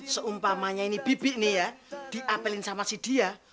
seumpamanya ini bibi nih ya diapelin sama si dia